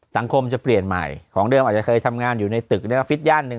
สังคมจะเปลี่ยนใหม่ของเดิมอาจจะเคยทำงานอยู่ในตึกในออฟฟิศย่านหนึ่ง